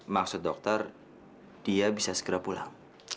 maksud dokter dia bisa segera pulang